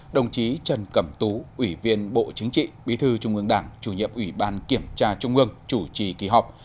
đồng chí trần cẩm tú ủy viên bộ chính trị bí thư trung ương đảng chủ nhiệm ủy ban kiểm tra trung ương chủ trì kỳ họp